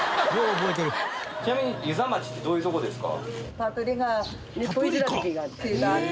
ちなみに遊佐町ってどういう所ですか？